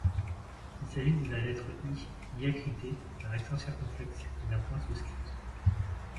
Il s’agit de la lettre I diacritée d’un accent circonflexe et d’un point souscrit.